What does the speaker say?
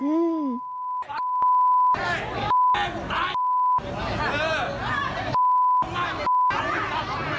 นั่นนะ